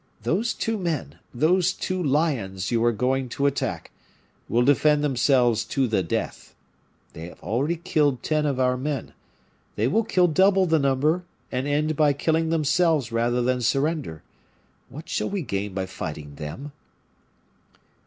Those two men, those two lions you are going to attack, will defend themselves to the death. They have already killed ten of our men; they will kill double the number, and end by killing themselves rather than surrender. What shall we gain by fighting them?"